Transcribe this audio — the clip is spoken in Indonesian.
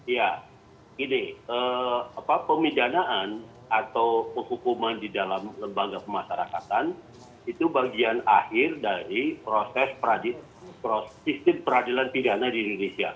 ya ini pemidanaan atau kehukuman di dalam lembaga pemasarakatan itu bagian akhir dari proses sistem peradilan pidana di indonesia